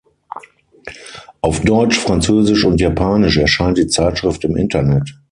Auf Deutsch, Französisch und Japanisch erscheint die Zeitschrift im Internet.